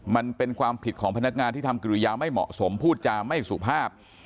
มันเป็นความผิดของพนักงานที่ทำกิริยาไม่เหมาะสมพูดจาไม่สุภาพ